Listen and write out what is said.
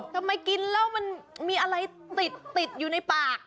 ทำไมกินแล้วมันมีอะไรติดอยู่ในปาก